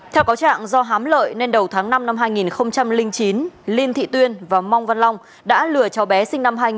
theo cáo trạng do hám lợi nên đầu tháng năm năm hai nghìn chín linh thị tuyên và mong văn long đã lừa cháu bé sinh năm hai nghìn